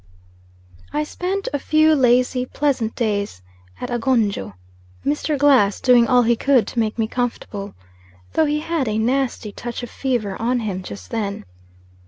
I spent a few, lazy, pleasant days at Agonjo, Mr. Glass doing all he could to make me comfortable, though he had a nasty touch of fever on him just then.